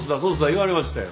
言われましたよ。